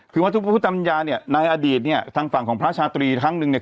คือวัดพุทธปัญญาเนี้ยในอดีตเนี้ยทางฝั่งของพระชาตรีทั้งหนึ่งเนี้ย